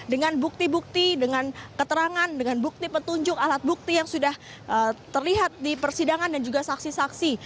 dengan bukti bukti dengan keterangan dengan bukti petunjuk alat bukti yang sudah terlihat di persidangan dan juga saksi saksi